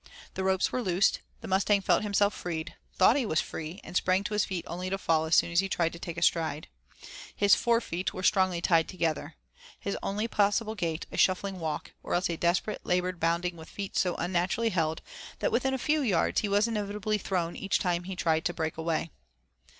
The ropes were loosed, the Mustang felt himself freed, thought he was free, and sprang to his feet only to fall as soon as he tried to take a stride. His forefeet were strongly tied together, his only possible gait a shuffling walk, or else a desperate labored bounding with feet so unnaturally held that within a few yards he was inevitably thrown each time he tired to break away.